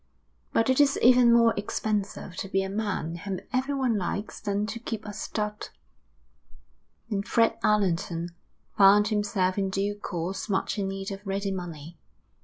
But it is even more expensive to be a man whom everyone likes than to keep a stud, and Fred Allerton found himself in due course much in need of ready money.